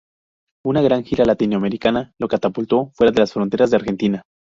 Una gran gira latinoamericana lo catapultó fuera de las fronteras de Argentina.